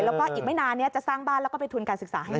แล้วก็อีกไม่นานนี้จะสร้างบ้านแล้วก็ไปทุนการศึกษาให้